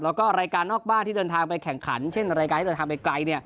แล้วก็รายการนอกบ้านที่เดินทางไปแข่งขันเช่นรายการที่เดินทางไปไกล